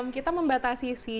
kita membatasi sih